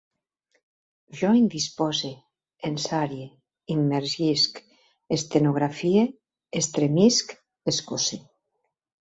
Jo indispose, ensarie, immergisc, estenografie, estremisc, escosse